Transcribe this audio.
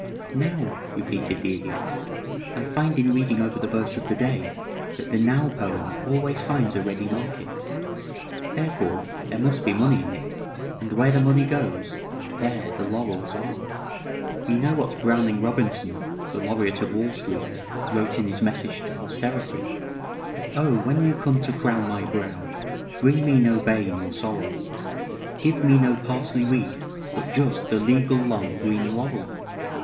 "Now!" repeated the Idiot. "I find in reading over the verse of the day that the 'Now' poem always finds a ready market. Therefore, there must be money in it, and where the money goes there the laurels are. You know what Browning Robinson, the Laureate of Wall Street, wrote in his 'Message to Posterity': "'Oh, when you come to crown my brow, Bring me no bay nor sorrel; Give me no parsley wreath, but just The legal long green laurel.'"